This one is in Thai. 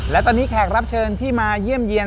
และตอนนี้แขกรับเชิญที่มาเยี่ยมเยี่ยน